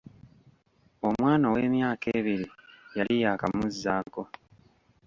Omwana ow'emyaka ebiri yali yakamuzaako.